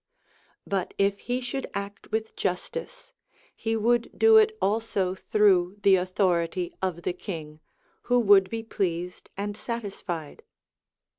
But if he should act with justice, he would do it also through the authority of the king, who would be pleased and satisfied.